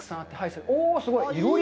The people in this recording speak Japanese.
おぉ、すごい。